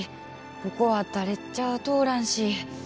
ここは誰ちゃあ通らんし。